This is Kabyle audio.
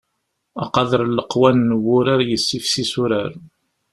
Aqader n leqwanen n wurar yessifsis urar.